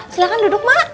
silahkan duduk mak